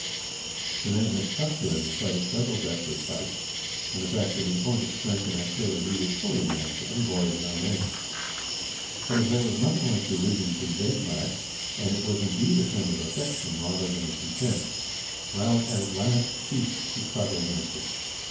The name had stuck to him in spite of several desperate fights, and the fact that in point of strength and activity he was fully a match for any boy of his own age; but as there was nothing like derision conveyed by it, and it was indeed a term of affection rather, than of contempt, Ralph had at last ceased to struggle against it.